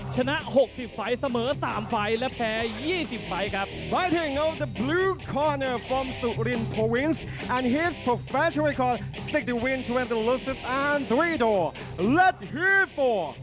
ชนะ๖๐ไฟล์เสมอ๓ไฟล์และแพ้๒๐ไฟล์ครับ